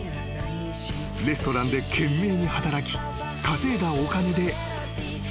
［レストランで懸命に働き稼いだお金で］